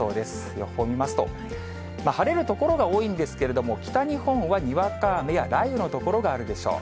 予報見ますと、晴れる所が多いんですけれども、北日本はにわか雨や雷雨の所があるでしょう。